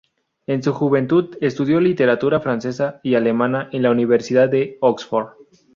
En su juventud estudió literatura francesa y alemana en la Universidad de Oxford.